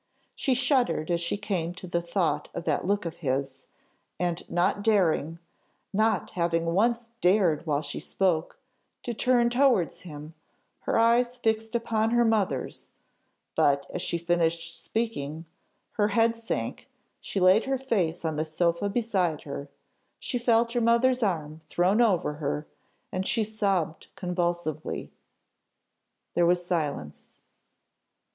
She shuddered as she came to the thought of that look of his, and not daring, not having once dared while she spoke, to turn towards him, her eyes fixed upon her mother's; but as she finished speaking, her head sank, she laid her face on the sofa beside her; she felt her mother's arm thrown over her and she sobbed convulsively. There was silence.